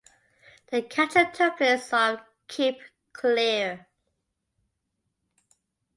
The capture took place off Cape Clear.